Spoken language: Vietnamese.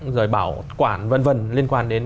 rồi bảo quản v v liên quan đến